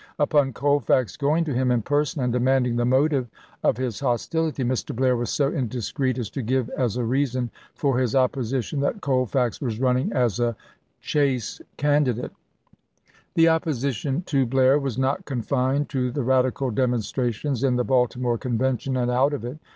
Upon Colfax going to him in person and demanding the motive of his hostility, Mr. Blair was so indiscreet as to give as a reason for his mSyr opposition that Colfax was running as a Chase NSS&1' candidate. The opposition to Blair was not confined to the radical demonstrations in the Baltimore Convention and out of it.